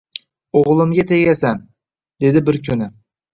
«O’g’limga tegasan», — dedi bir kuni.